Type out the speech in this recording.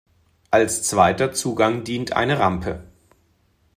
Als zweiter Zugang dient eine Rampe.